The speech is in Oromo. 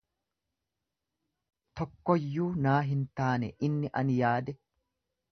Tokkoyyuu naa hin taane, inni ani yaade